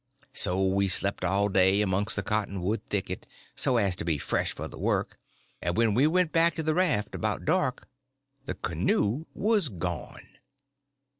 So we slept all day amongst the cottonwood thicket, so as to be fresh for the work, and when we went back to the raft about dark the canoe was gone!